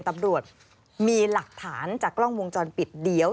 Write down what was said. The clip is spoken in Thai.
ตำรวจมีหลักฐานจากกล้องวงจรปิดเดี๋ยว